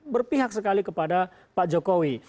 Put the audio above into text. berpihak sekali kepada pak jokowi